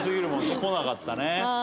こなかったね。